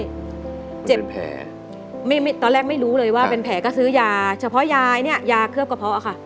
เจ็บแผลไม่ตอนแรกไม่รู้เลยว่าเป็นแผลก็ซื้อยาเฉพาะยายเนี่ยยาเคลือบกระเพาะค่ะ